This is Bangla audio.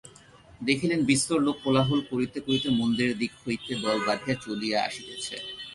দেখিলেন বিস্তর লোক কোলাহল করিতে করিতে মন্দিরের দিক হইতে দল বাঁধিয়া চলিয়া আসিতেছে।